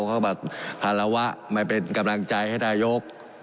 เขาบอกพันธุ์ละวะไม่เป็นกำลังใจให้ได้ยก